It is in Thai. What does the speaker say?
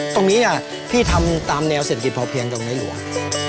ตรงนี้พี่ทำตามแนวเสร็จกินพอเพียงตรงนี้หรือว่า